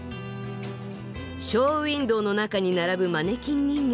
ショーウインドーの中に並ぶマネキン人形。